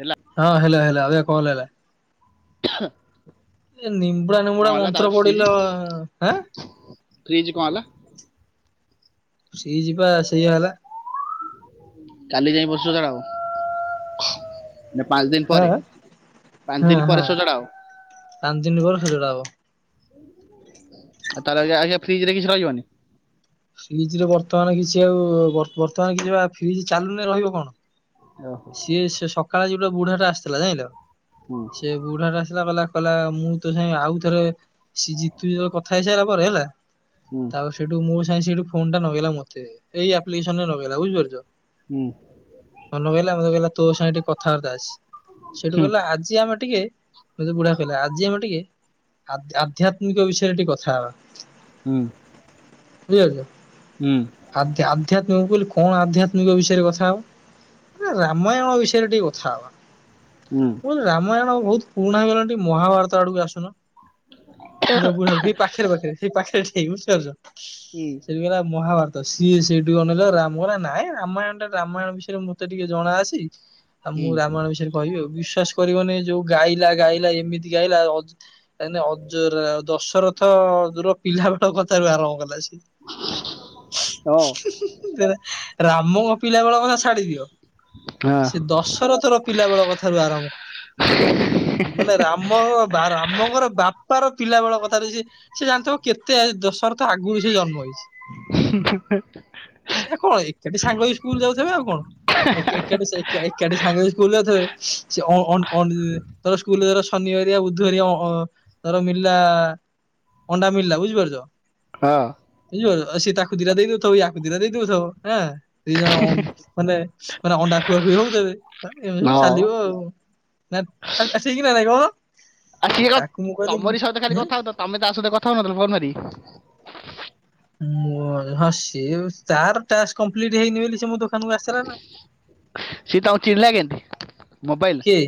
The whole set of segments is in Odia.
ହେଲା। ହଁ ହେଲୋ ହେଲା ଆବେ କଲ୍ ଅଇଲା। ଏ ନିମ୍ବୁଡା ହଁ ନିମ୍ବୁଡା ହେଲା ମନ୍ତ୍ର ତାପରେ ଫ୍ରିଜ ପଡିଲ ଆଁ। ଫ୍ରିଜ କଣ ହେଲା। ଫ୍ରିଜ ବା ସେଇଆ ହେଲା। କାଲି ଯାଇ ବସ୍‌ ସଜଡା ହବ। ନା ପାଞ୍ଚ ଦିନ ପରେ ହଁ। ପାଞ୍ଚ ହଁ ଦିନ ହଁ ପରେ ସଜାଡା ହବ। ପାଞ୍ଚ ଦିନ ପରେ ସଜଡ଼ା ହବ। ଆ ତାହେ ଆଜ୍ଞା ଫିଜ ରେ କିଛି ରହିବନି। ଫ୍ରିଜ ରେ ବର୍ତ୍ତମାନ କିଛି ଆଉ ବର-ବର୍ତ୍ତମାନ କିଛି ବା ଫ୍ରିଜ ଚାଲୁନି ରହିବ କଣ। ଓହୋ ସିଏ ସେ ସକାଳେ ଆଜି ଗୋଟେ ବୁଢା ଟା ଆସିଥିଲା ଜାଇଁଲ। ହୁଁ। ସେ ବୁଢାଟା ଆସିଲା କହିଲା କହିଲା ମୁଁ ତୋ ସାଙ୍ଗେ ଆଉଥରେ ସେ ଜିତୁ ଯୋଉ କଥା ହେଇସାରିଲା ପରେ ହେଲା, ହୁଁ ତାପରେ ସେଇଠୁ ମୋ ତା ସେଠୁ ଫୋନ୍ ଟା ନଗେଇଲା ମତେ। ଏଇ ଆପ୍ଲିକେସନ ରେ ନଗେଇଲା ବୁଝିପାରୁଛ? ହୁଁ। ଫୋନ୍ ନଗେଇଲା ମତେ କହିଲା ତୋ ସାଙ୍ଗରେ ଟିକେ କଥାବାର୍ତ୍ତା ଅଛି। ସେଠୁ ହୁଁ କହିଲା ଆଜି ଆମେ ଟିକେ, ମତେ ବୁଢା କହିଲା ଆଜି ଆମେ ଟିକେ କେ ଆଧ୍ ଆଧ୍ୟାତ୍ମିକ ବିଷୟରେ ଟିକେ କଥା ହବା। ହୁଁ। ବୁଝିପାରୁଛ? ହୁଁ। ଆଧ୍ୟା ଆଧ୍ୟାତ୍ମିକ ମୁଁ କହିଲି କଣ ଆଧ୍ୟାତ୍ମିକ ବିଷୟରେ କଥାହବା? ନା ରାମାୟଣ ବିଷୟରେ ଟିକେ କଥା ହବା। ହୁ। ମୁ କହିଲି ରାମାୟଣ ବହୁତ ପୁରୁଣା ହେଇଗଲାଣି। ଟିକେ ମହାଭାରତ ଆଡକୁ ଆସୁନ। ମୁଁ ତ ବୁଢାବୁଢ଼ୀ ସେଇ ପାଖରେ ପାଖରେ ସେଇ ପାଖରେ ଠିଆହେଇକି ବୁଝିପାରୁଛ? ହୁଁ ସେ ବି କହିଲା ମହାଭାରତ ତ ସିଏ ସେଇଠୁ ଅନେଇଲା ରାମରା ନାଇଁ ରାମାୟଣ ଟା ରାମାୟଣ ବିଷୟରେ ମତେ ଟିକେ ଜଣାଅଛି ଆଉ ମୁଁ ହୁଁ ରାମାୟଣ ବିଷୟରେ କହିବି ଆଉ ବିସ୍ୱାସ କରିବନି ଯୋଉ ଗାଇଲା ଗାଇଲା ଏମିତି ଗାଇଲା ଅ ନାଇ ନାଇ ଅଜୁର ଦଶରଥ ଦୁର ପିଲାବେଳ କଥାରୁ ଆରମ୍ଭ କଲା ସେ। ହଁ। ରାମ ପିଲାବେଳ କଥା ଛାଡି ଦିଅ ହଁ ସେ ଦଶରଥର ପିଲା ବେଳ କଥାରୁ ଆରମ୍ଭ ମାନେ ରାମ ବା ରାମଙ୍କର ବାପାର ପିଲା ବେଳ କଥାରେ ଯିଏ ସେ ଜାଣିଥବ କେତେ ଦଶରଥ ଆଗରୁ ସେ ଜନ୍ମ ହେଇଛି। ସେ କଣ ଏକାଠି ସାଙ୍ଗ ହେଇକି ସ୍କୁଲ ଯାଉଚନ୍ତି ଆଉ କଣ। ଏକା ଏକାଠି ସେ ଏକା ଏକାଠି ସାଙ୍ଗ ହେଇକି ସ୍କୁଲ ଯାଉଥିବେ ସେ ଅ ଅ ଅଣ୍ଡ ଧର ସ୍କୁଲରେ ଯୋଉରା ଶନିିବାରିଆ ବୁଧବାରଆ ଅ ଧର ମଳିଲା ଅଣ୍ଡା ମିଳିଲା ବୁଝିପାରୁଛ ହଁ। ବୁଝିପାରୁଛ ସେ ତାକୁ ଦିଟା ଦେଇ ଦଉଥବ ୟାକୁ ଦୀଟା ଦେଇ ଦଉଥବ ଆଁ ଦି ଜଣ ଅମ ମାନେ ମାନେ ଅଣ୍ଡା ଖୁଆଖୁଇ ହଉଥେବେ ଏମିତି ସବୁ ହଁ ଚାଲିବ ଆଉ। ନା ଆର୍ ଠିକ ନା ନାଇଁ କହୁନ ଆ ସିଏ କଣ ତାକୁ ମୁଁ କହିଲି ତମରି ସହିତ ଖାଲି ହୁଁ କଥା ହଉଥିବ ତମେ ତା ସହିତ କଥା ହୋଉନଥିଲ ଫୋନ ମାରିକି? ମୁଁ ହଁ ସିଏ ତାର ଟାସ୍କ କମ୍ପ୍ଲିଟ ହେଇନି ବୋଲି ସେ ମୋ ଦୋକାନକୁ ଆସିଥିଲା ନା ସିଏ ତମକୁ ଚିହ୍ନିଲା କେମତି? ମୋବାଇଲରେ କିଏ?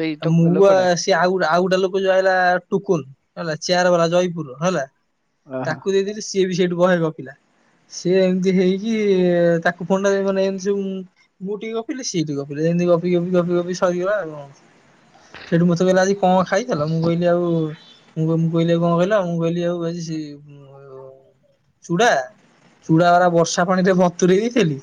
ସେଇ ଟ ଲୋକଟା? ସେ ଆଉ ଗୋଟେ ଆଉ ଗୋଟେ ଲୋକ ଯୋଉ ଅଇଲା ଟୁକୁନ ହେଲା ଚେୟାର ବାଲା ଜୟପୁରର ହେଲା ଓହୋ। ତାକୁ ଦେଇଦେଲେ ସିଏ ବି ସେଇଠୁ ବହେ ଗପିଲା। ସିଏ ଏମିତି ହେଇକି ତାକୁ ଫୋନଟା ଦେ ମାନେ ଏମିତି ସବୁ ମୁଁ ଟିକେ ଗପିଲି ସିଏ ଟିକେ ଗପିଲେ। ଏମତି ଗପି ଗପି ଗପି ଗପି ସରିଗଲା ଆଉ କଣ। ସେଇଠୁ ମତେ କହିଲା ଆଜି କଣ ଖାଇଥେଲ? ମୁଁ କହିଲି ଆଉ ମୁଁ କ ମୁଁ କହିଲି କଣ କହିଲା ମୁଁ କହିଲି ଆଉ ଆଜି ସେ ଚୂଡ଼ା ଚୂଡ଼ାରା ବର୍ଷା ପାଣିରେ ବତୁରେଇ ଦେଇଥିଲି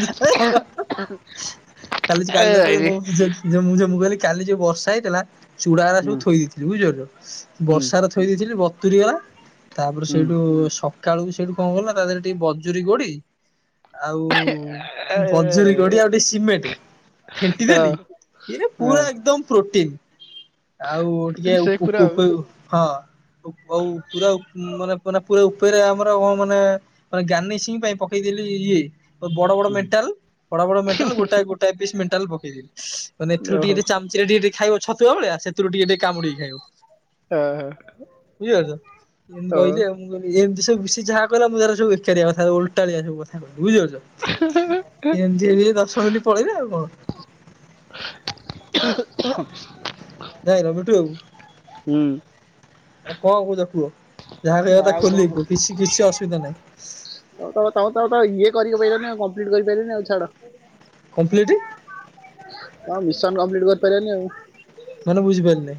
[unintelligible] କାଲି ଚି ଏ ଆଇରେ। କାଲିଁ ମୁ କହଲି କାଲି ଯୋଉ ବର୍ଷା ହେଇଥିଲା ଚୁଡାରା ହୁଁ ସବୁ ଥୋଇ ଦେଇଥିଲି ବୁଝିପାରଛ। ହୁଁ ବର୍ଷାରେ ଥୋଇ ଦେଇଥିଲି ବତୁୁରୀ ଗଲା ତାପରେ ହୁଁ ସେଇଠୁ ସକାଳୁକୁ ସେଇଠୁ କଣ କଲିନା ତା ଦେହରେ ଟିକେ ବଜୁୁରୀ ଗୋଡି ଆଉ ବଜୁରୀ ଗୋଡି ଆଉ ଟିକେ ସିମେଣ୍ଟ ଏ ଫେଣ୍ଟି ଦେଲି ଏରେ ପୁରା ଏକଦମ ପ୍ରୋଟିନ୍। ଆଉ ଟିକେ ଉପ ଉପ ଉପ ହଁ ଉପ୍ ଓଉ ପୁରା ଓପ୍ ମାନେ ମାନେ ପୁରା ଉପରେ ଆମର କଣ ମାନେ ମାନେ ଗାନିସିଙ୍ଗି ପାଇଁ ପକେଇଦଲି ଇଏ ବଡ ବଡ ମେଣ୍ଟାଲ ବଡ ବଡ ମେଣ୍ଟାଲ ହେ ଗୋଟା ଗୋଟଏ ପିସ୍ ମେଟାଲ ପକେଇଦିଏ। ମାନେ ଏଥିରୁ ଟିକେ ଟିକେ ଚାମଚରେ ଟିକ ଟିକେ ଖାଇବ ଛତୁଆ ଭଳିଆ ସେଥିରୁ ଟିକେ ଟିକେ କାମୁଡିକି ଖାଇବ। ବୁଝିପାରୁଛ ଏମିତି କହିଲି ଆଉ। ମୁଁ କିଲ ଏମିତି ସବୁ ସେ ଯାହା କଲା ମୁ ତାର ସବୁ ବେକରିଆ କଥା ଓଲଟାଳିଆ ସବୁ କଥା। ବୁଝିପାରୁଛ ଏମିତି ହେଇକି ଦଶ ମିନିଟ ପଳେଇଲା ଆଉ କଣ? [unintelligible] ନାଇଁ ନା ମିଠୁବାବୁ ହୁଁ ଆ କଣ କହୁଛ କୁହ? ଯାହା କହିବା କଥା ଆଉ ଖୋଲିକି କୁହ କିଛି କିଛି ଅସୁବିଧା ନାହିଁ। ଆଉ ତଉ ତାଉ ତ ଇଏ କରି ପାରିଲନି ଆଉ କମ୍ପ୍ଲିଟ କରିପାରଲନି ଆଉ ଛାଡ। କମ୍ପ୍ଲିଟ୍। ହଁ ମିଶନ କମ୍ପ୍ଲିଟ୍ କରିପାରିବାନି ଆଉ। ମାନେ ବୁଝିପାଇଲିନି।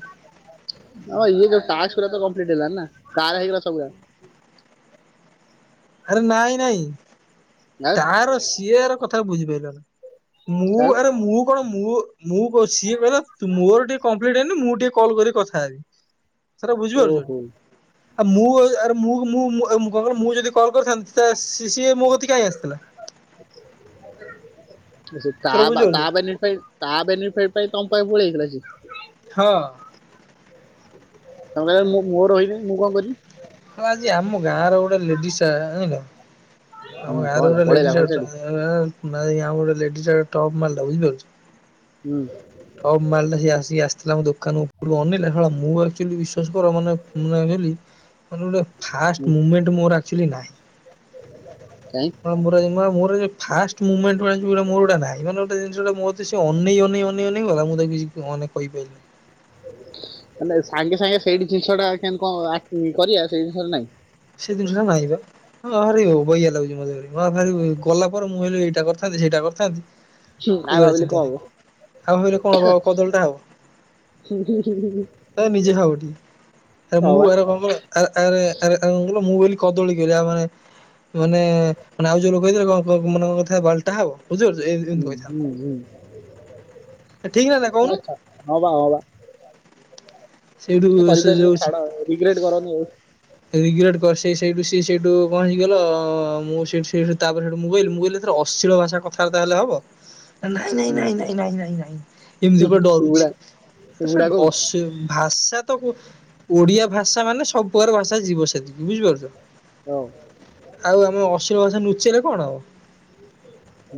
ହଁ ଇଏ ଯୋଉ ଟାସ୍କଲା ରାକମ୍ପ୍ଲିଟ୍ ହେଲା ନା କାର ହେଇଗଲା ସବୁଆ। ଆରେ ନାଇଁ ନାଇଁ। ଆଉ ତାର ସିଏ ଏର କଥାକୁ ବୁଝିପାରିଲ ନା ମୁଁ ଆଉ ଆରେ ମୁଁ କଣ ମୁଁ ମୁଁ କହୁଛି ସିଏ କହିଲା ମୋର ଟିକେ କମ୍ପ୍ଲିଟ ହେଇନି ମୁଁ ଟିକେ କଲ୍ କରି କଥା ହେବି। ସଟା ଓହୋ ବୁଝିପାରୁଛନ୍ତି। ଆଉ ମୁଁ ଆରେ ମୁ ମୁ ଆଉ ମୁଁ କଣ କ ମୁଁ ଯଦି କଲ୍ କରିଥାନ୍ତି ତ ସିଏ ମୋ କତି କାଇହିଁ ଆସି ତା ଥର ବା ବୁଝିପାରୁଚ ତା ବେନିଟ ପାଇଁ ତା ବେନିଫିଟ ପାଇଁ ତମ ପାଇଁ ପଳେଇଥିଲା ସେ? ହଁ। କ କହ ମୁ ମୋର ରହିବି ମୁଁ କଣ କରିବି? ହେ ଆଜି ଆମ ଗାଁ ର ଗୋଟେ ଲେଡିଜ ଜିଲ ଆମ ହୁଁ ଗାଁ କଣ ର ହେଲା ଗୋଟେ ପଳେଇଲା ଲେଡିସ୍ ଘର ଛାଡି ଅଛନ୍ତି। ଏଇଆ ନାଇ ଆଉ ଗୋଟେ ଲେଡିସ ଆ ଟପ୍ ମାଲଟା ବୁଝିପାରୁଛ? ହୁଁ। ସବ ମାଲଟା ସ ଆସିକି ଆସିିଥିଲା ଆମ ଦୋକାନ ଉପରକୁ ଅନେଇଲା ଖ ମୁଁ ଆକ୍ଚୁଆଲି ବିଶ୍ୱାସ କର ମାନେ ଭାବିଲି ମାନେ ଗୋଟେ ହୁଁ ଫାଷ୍ଟେ ମୁମେଣ୍ଟ ମୋର ଆକଚୁଆଲି ନାହିଁ। କାଇଁ ମୋର ଏଇ [unintelligible] ଫାଷ୍ଟ ମୁମେଣ୍ଟ ରେ ଯୋରା ମୋର ଯୋଡ଼ା ନାହିଁ। ଜିନିଷଟା ମତେ ସେ ଅନେଇ ଅନେଇ ଅନେଇ ଅନେଇଗଲା ମୁଁ ତ କିଛି ଅନେକ କହିପାରିଲିନି। ମାନେ ସାଙ୍ଗେ ସାଙ୍ଗେ ସେଇଠି ଜିନିଷ ଟାଣ କରିବା ସେଇ ଜିନିଷା ନାଇଁ। ସେ ଜିନିଷ ଟା ନାହିଁ ବା। ହଁ ହରେ ହଉ ବହିଆ ଲାଗୁଛି ମତେ ଗଲା ପରେ ମୁଁ ହେ ଏଇଟା କରିଥାନ୍ତି ସେଇଟା କରିଥାନ୍ତି। ହୁଁ, ଆଉ ଏଇଭଳିଆ ଭାବିଲେ ଚିନ୍ତା କଣ ଆଉ ହବ ଭାବିଲେ କଣ ହବ କଦଳୀ ଟା ହବ। ତ ନିଜେ ଖାଉଟି ଆରେ ମୁଁ ହଁ ବା ଆରେ କଣ କ ଆ ଆରେ ଆରେ ମୁଁ ବୋଲି କଦଳୀହଲି ଆ ମାନେ ମାନେ ମାନେ ଆଉ ଯୋଉ ଲୋକ କହିଥିଲେ କଣ ମଙ୍କ କଥା ଭଲଟା ହବ। ବୁଝୀ ପାରୁଚୁ ଏମିତି ହୁଁ, ଇମିତି କହିଥାନ୍ତେ ହୁଁ, ହୁଁ। ଠିକ ନା ନା କହୁନୁ? ହଁବା ହଁବା। ସେଇଠୁ ସେ କରିପାରିଲି ଛାଡ ରିଗ୍ରେଟ କରନି ଆଉ। ରିଗ୍ରରେଟ କର ସେଇ ସେଇଠୁ ସ ସେଇଠୁ ପହଞ୍ଚି ଗଲ ମୁଁ ସେଠୁ ତାପ ସେଇଠୁ ମୁକଇଲି ମୁ କଇଲି ଅଶ୍ଳୀଳ ଭାଷା କଥାବାର୍ତା ହେଲେ ହବ? ନାଇଁ ନାଇଁ ହୁଁ, ନାଇଁ ନାଇଁ ନାଇଁ ନାଇଁ ନାଇଁ ହୁଁ, ଏମିତି ପୁରା ଡରୁଛି। ବୁଢା ତା ସ ବୁଢା କହୁଛି ଅସି ଭାଷା ତ ଓଡିଆ ଭାଷା ମାନେ ସବୁପକାର ଭାଷା ଯିବ ସେତିକି ବୁଝିପାରୁଛ? ହଉ ହଉ। ଆଉ ଆମେ ଅସୀଳ ଭସା ନୁଚେଇଲେ କଣ ହବ?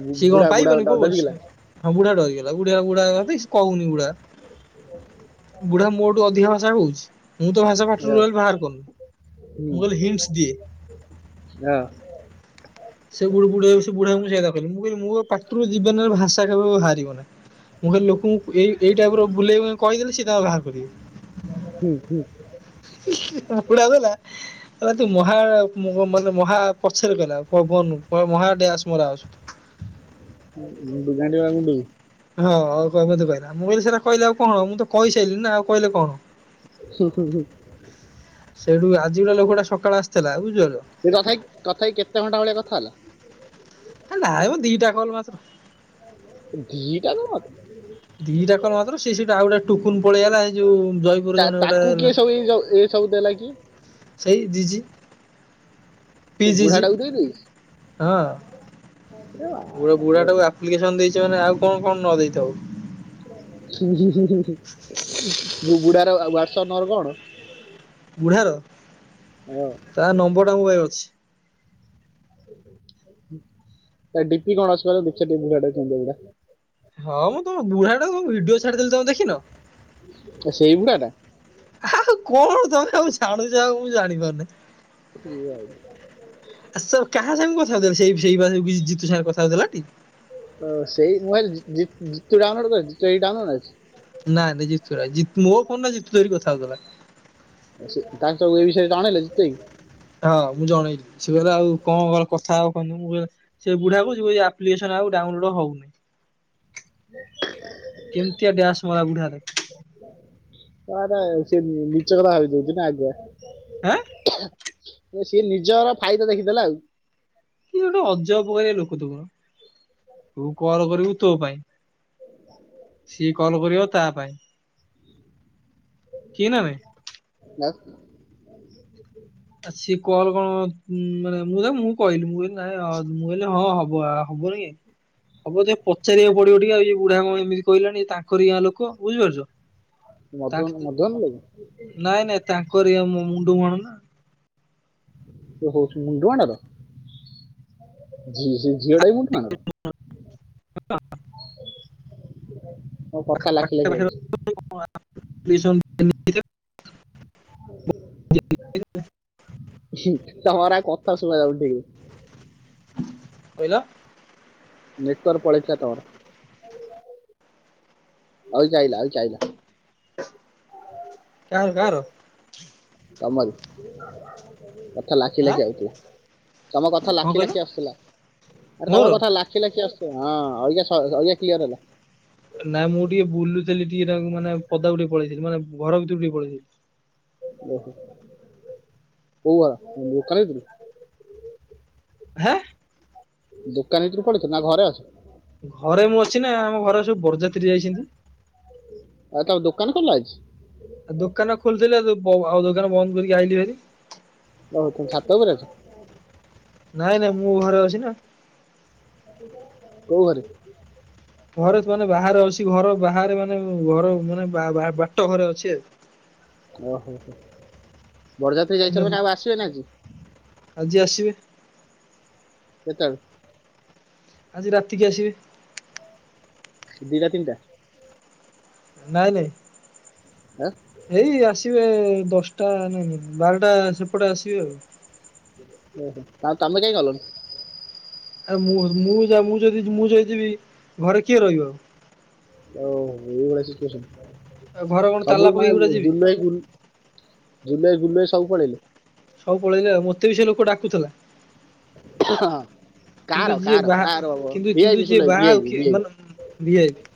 ବୁ- ସିଏ ବୁଢା କଣ ବୁଢା ପାଇବନି ଡ- କୋଉ ଡରିଗଲା ବସ ହଁ ବୁଢା ଡରିଗଲା ବୁଢୀ ବୁଢା କହୁନି ଗୁଡା। ବୁଢା ମୋଠୁ ଅଧିକ ଭାଷା କହୁଛି ମୁଁ ତ ଭାଷା ହଁ, ପାଟିରୁ ଟୋଟାଲ ବାହାର କରୁନୁ। ହୁଁ, ମୁ ଖାଲି ହିଣ୍ଟସ ଦିଏ। ହଁ। ସେ ବୁଢୀ ବୁଢୀ ସେ ବୁଢା ସେ କହ ମୁଁ କହି ମୋ ପାଟିରୁ ଯିବନରେ ଭାଷା କେବେ ହାରିବନି। ମୁଁ ଖଲି ଲୋକଙ୍କୁ ଏଇ ଏଇ ଟାଇପର ବୁଲେଇ କହିଦେଲେ ସିଏ ତାଙ୍କର ବାହାର କରିବି। ହୁଁ ହୁଁ। ପୁଡା ଗଲା କଲା ତୁ ମହାମାନେ ମହା ପଛରେ ଗଲା। କବନୁ ମହାଡ୍ୟାସ ମରା ଅଛୁ। [inaudible] ହଁ ଆଉ କହେ କହିଲା ମୁଁ କହିଲ ସେଟା କହିଲି ଆଉ କଣ ମୁଁ ତ କହିସାରିଲି ନା ଆଉ କହିଲେ କଣ? [unintelligible] ସେଇଠୁ ଆଜି ଗାଟେ ଲୋକଟା ସକାଳୁ ଆସିଥିଲା ବୁଝିପାରିଲ। ସେ କଥା କଥା ହେଇ କେତେ ଘଣ୍ଟା ଭଳିଆ କଥା ହେଲା। ନାମ ଦିଟା କଲ ମାତ୍ର। ଦିଟା ଟା କଲ। ଦିଟା କଲ ମାତ୍ର ସେଇଟା ଆଉ ଗୋଟେ ଟୁକୁନ ପଳେଇଗଲା ଏଇ ଯୋଉ ଜୟପୁର ତା- ଜଣେ ଗୋଟା ତାକୁ ହେଲା। [unintelligible] ସବୁ ଦେଲା କି? ସେଇ ଦିଜିି ସେ ପି ଜି ଜି ବୁଢାଟାକୁ ହଁ ପୁରା ବୁଢା ଟାକୁ ଦା ଦେଇଦେଇ [unintelligible] ଦେଇଛି ମାନେ ଆଉ କଣ କଣ ନ ଦେଇଥାଉ। [unintelligible] ବୁଢାର ୱାଟ୍ସସପ ନମ୍ବର କଣ? ବୁଢାର ହଁ। ତା ନମ୍ବରଟା ମୋ ପାଖରେ ଅଛି। ତା ଡିପି କଣ ଅସ ଦଖିଆ କେନ୍ତି [unintelligible] ଟା ହଁ ମୁଁ ତମ ବୁଢାଟା ଭିଡିଓ ଛାଡିଦେଲି ତମେ ଦେଖିନ। ଏ ସେଇ ବୁଢାଟା ଆଉ କଣ ତମେ ଆଉ ଜାଣୁଛ ଆଉ ମୁଁ ଜାଣିପାରୁନି। [unintelligible] ଆ ସାର୍ କାହା ସାଙ୍ଗ କଥା ହଉ ଦେଲେ ସେଇ ସେଇ କିଛି ଜିତୁ ସାଙ୍ଗ କଥା ହଉ ଦେଲା। ଅ ସେଇ ମୋବାଇଲ ଜି-ଜିତୁ ଡାଉନଲୋଡ ଏଇ ଡାଉନଲୋଡ ଅଛି। ନା ଜିତୁ ରାଏ ଜିତୁ ମୋ ଫୋନରେ ଜିତୁ ଧରି କଥା ହଉ ଥିଲା। ତାଙ୍କ ଏ ବିଷୟରେ ଜଣେଇଲେ ତତେ? ହଁ ମୁଁ ଜଣେଇଲି ସେ କହିଲେ ଆଉ କଣ କଣ କଥା ଆଉ କହନ୍ତୁ ମୁଁ କହିଲି। ସେ ବୁଢା କହୁଛି ଆପ୍ଲିକେସନ ଆଉ ଡାଉନଲୋଡ ହଉନି। କେମିତିଆ ଡ୍ୟାସ ମରା ବୁଢା ଦେଖ। ଆରେ ସେ ନିଚ କଥା ଭାବି ଦଉଛି ନା ଆଗୁଆ। ଆଁ ସିଏ ନିଜର ଫାଇଦା ଦେଖିଦେଲା ଆଉ। କି ଗୋଟେ ଅଜବ କରିବା ଲୋକ ତମର ତୁ କଲ କରିବୁ ତୋ ପାଇଁ। ସିଏ କଲ କରିବ ତା ପାଇଁ ଠିକ ନାଁ ନାଇ? [unintelligible] ଆ ସିଏ କଲ୍ କଣ ମାନେ ମୁଁଁ ତାକୁ ମୁଁ କହିଲି ମୁଁ କହିଲି ନାଇଁ ମୁଁ କହିଲି ହଁ ହବ ହବନି କାଇଁ। ହବ ଯେ ପଚାରିବାକୁ ପଡିବ ଟିକେ, ଆଉ ଏ ବୁଢା କଣ ଏମିତି କହିଲାଣି? ଏ ତାଙ୍କରି ଗାଁ ଲୋକ ବୁଝି ପାରୁଛ। ମଦନ ମଧୁବାବୁ। ନାଇଁ ନାଇଁ ତାଙ୍କରି ମୁଣ୍ଡୁମୁହାଣ ନା। ଓହ ମୁଣ୍ଡୁମାଣର। ଝିଅଟା ବି ସେ ମୁଠାଣରୁ ହଉ କଥା ଲାଖି ଲାଖି ଯାଉଛି। [unintelligible] ତମର ଆଉ କଥା ଶୁବା ଯାଉନି ଠିକରେ କହିଲ ନେଟୱର୍କ ପଳେଇ ଥିଲା ତମର। ଅଇଁଛା ଆଇଲା ଅଇଁଛା ଆଇଲା। କାହାର କାହାର? ତମରି। କଥା ଲାଖି ଆଁ ଲାଖି ଆଉଥିଲା। ତମ କଥା କଣ ଲାଖି କହିଲ ଲାଖି ଆସୁଥିଲା। ଆରେ ମୋର? ତମ କଥା ଲା ଲାଖି ଲାଖି ଆସୁ, ହଁ ଅଇକା ଅଇକା କ୍ଲିୟର ହେଲା। ନାଇଁ ମୁଁ ଟିକେ ବୁଲୁଥିଲି ଟିକେ ନାଗୁ, ମାନେ ପଦାକୁ ଟିକେ ପଳେଇଥିଲି ମାନେ ଘର ଭିତରକୁ ଟିକେ ପଳେଇଥିଲି। ଓ ହୋ କୋଉ [unintelligible] ଦୋକାନ ଭିତରକୁ। ହାଁ। ଦୋକାନ ଭିତରକୁ ପଳେଇଥିଲ ନା ଘରେ ଅଛ? ଘରେ ମୁଁ ଅଛି ନା, ଆମ ଘରେ ସବୁ ବରଯାତ୍ରୀ ଯାଇଛନ୍ତି। ଆଉ ତମ ଦୋକାନ ଖୋଲା ଅଛି? ଆଉ ଦୋକାନ ଖୋଲିଥିଲି ଆଉ ବ, ଆଉ ଦୋକାନ ବନ୍ଦ କରିକି ଆଇିଲି ଭାରି। ଆଉ ତମେ ଛାତ ଉପରେ ଅଛ? ନାଇଁ ନାଇଁ ମୁଁ ଘରେ ଅଛି ନା। କୋଉ ଘରେ? ଘରେ ତ ମାନେ ବାହାରେ ଅଛି, ଘର ବାହାରେ ମାନେ ଘର ମାନେ ବା ବାଟଘରେ ଅଛି ଆଉ। ଓ ହୋ ହୋ ବରଯାତ୍ରୀ ଯାଇଛନ୍ତି ମାନେ ଆଉ ଆସିବେ ନାଇଁ ଆଜି। ଆଜି ଆସିବେ। କେତେବେଳେ? ଆଜି ରାତିକି ଆସିବେ। ଦିଟା ତିନଟା। ନାଇଁ ନାଇଁ। ଆଁ। ଏଇ ଆସିବେ ଦଶଟା ଉଁ ବାରଟା ସେପଟେ ଆସିବେ ଆଉ। ଓ ହୋ ତାହେଲେ ତମେ କାଇଁ ଗଲନି? ଆ- ମୁଁ- ମୁଁ- ଯା -ମୁଁ ଯଦି ମୁଁ ଯଦି ଯିବି, ଘରେ କିଏ ରହିବ ଆଉ? ଓ ହୋ ଏଇଭଳିଆ ସିଚୁଏସନ। ଆଉ ଘରେ କଣ ତାଲା ସବୁଠି ପକେଇକି ଗୋଟେ ମାନେ ଯିବି। ଜୁଲୁ ଭାଇ ଜୁଲୁ ଭାଇ, ବୁଲୁଭାଇ ସବୁ ପଳେଇଲେ। ସବୁପଳେଇଲେ ଆଉ, ମୋତେ ବି ସେ ଲୋକ ଡାକୁଥିଲା। କାହାର କିନ୍ତୁ ଯିଏ କାହାର ବାହା ଆର କିନ୍ତୁ, କିନ୍ତୁ ଭିଆଇପି ଯିଏ ସୁଲାଇ ବାହା ହଉ ଭିଆଇପି କିଏ ଭିଆଇପି ମାନେ ଭି ଆଇ ପି।